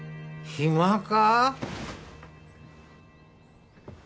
暇か。